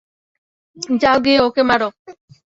যাও গিয়ে ওকে মারো।